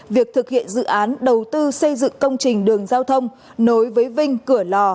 việc thực hiện dự án đầu tư xây dựng công trình đường giao thông nối với vinh cửa lò